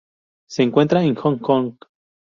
Se encuentra en Hong Kong.